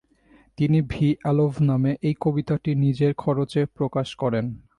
তিনি “V. Alov” নামে এই কবিতাটি নিজের খরচে প্রকাশ করেন।